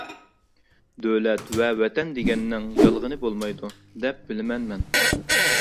-دۆلەت ۋە ۋەتەن دېگەننىڭ يالغىنى بولمايدۇ دەپ بىلىمەن مەن.